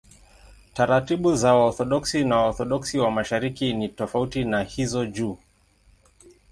Taratibu za Waorthodoksi na Waorthodoksi wa Mashariki ni tofauti na hizo juu.